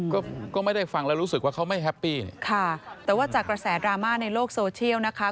ก็ก็ไม่ได้ฟังแล้วรู้สึกว่าเขาไม่แฮปปี้เนี่ยค่ะแต่ว่าจากกระแสดราม่าในโลกโซเชียลนะคะ